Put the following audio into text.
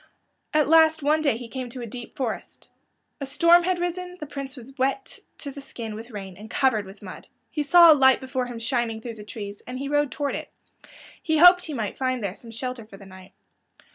At last one day he came to a deep forest. A storm had risen; the Prince was wet to the skin with rain, and covered with mud. He saw a light before him shining through the trees, and he rode toward it. He hoped he might find there some shelter for the night.